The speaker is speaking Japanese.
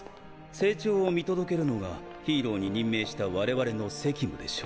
成長を見届けるのがヒーローに任命した我々の責務でしょう。